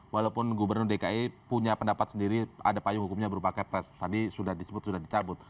walaupun gubernur dki punya pendapat sendiri ada payung hukumnya berupa kepres tadi sudah disebut sudah dicabut